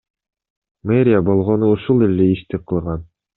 Мэрия болгону ушул эле ишти кылган.